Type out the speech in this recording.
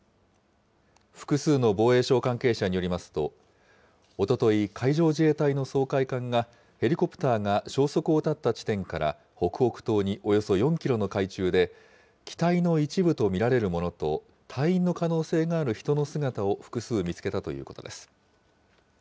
複数の防衛省関係者によりますと、おととい、海上自衛隊の掃海艦がヘリコプターが消息を絶った地点から北北東におよそ４キロの海中で、機体の一部と見られるものと、隊員の可能性がある人の姿を複数見つけたということです。